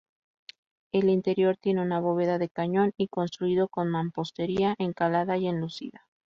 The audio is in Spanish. El interior tiene una bóveda de cañón y construido con mampostería encalada y enlucida.